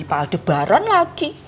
pak aldebaran lagi